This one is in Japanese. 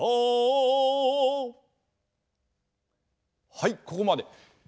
はいここまで。